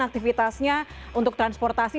aktivitasnya untuk transportasi